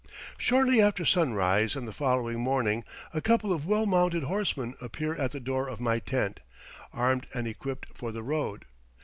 Shortly after sunrise on the following morning a couple of well mounted horsemen appear at the door of my tent, armed and equipped for the road.